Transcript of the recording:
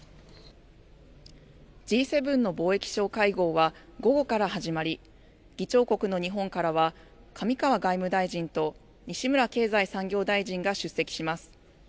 Ｇ７の貿易相会合は午後から始まり、議長国の日本からは上川外務大臣と西村経済産業大臣が出席します。